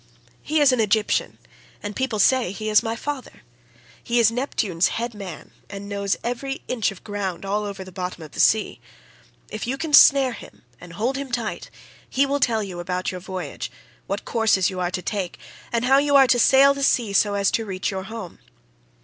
He is an Egyptian, and people say he is my father; he is Neptune's head man and knows every inch of ground all over the bottom of the sea. If you can snare him and hold him tight, he will tell you about your voyage, what courses you are to take, and how you are to sail the sea so as to reach your home.